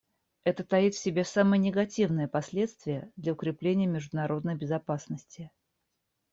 Это таит в себе самые негативные последствия для укрепления международной безопасности.